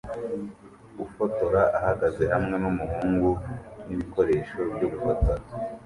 Ufotora ahagaze hamwe numuhungu nibikoresho byo gufotora